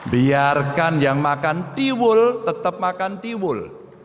biarkan yang makan tiwul tetap makan tiwul